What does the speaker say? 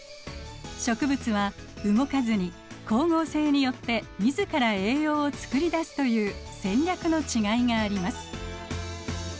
植物は動かずに光合成によって自ら栄養を作り出すという戦略のちがいがあります。